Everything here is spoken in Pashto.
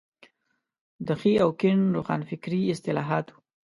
د ښي او کيڼ روښانفکري اصطلاحات وو.